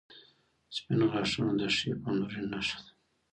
• سپین غاښونه د ښې پاملرنې نښه ده.